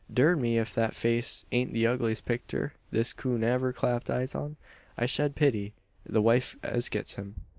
Durn me, ef thet face ain't the ugliest picter this coon ever clapped eyes on. I shed pity the wife as gets him.